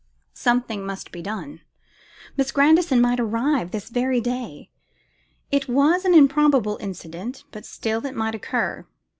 Something must be done; Miss Grandison might arrive this very day. It was an improbable incident, but still it might occur.